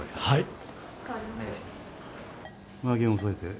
はい。